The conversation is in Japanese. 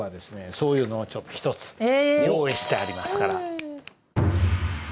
そういうのを一つ用意してありますから。